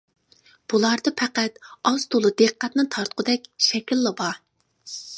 بۇلاردا پەقەت ئاز-تولا دىققەتنى تارتقۇدەك شەكىللا بار.